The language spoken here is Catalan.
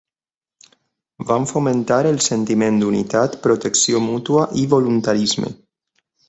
Van fomentar el sentiment d'unitat, protecció mútua i voluntarisme.